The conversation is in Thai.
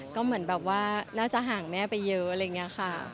ก็เหมือนแบบว่าน่าจะห่างแม่ไปเยอะอะไรอย่างนี้ค่ะ